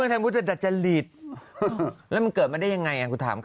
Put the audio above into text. อุ๊ยขอโทษเสียงดับ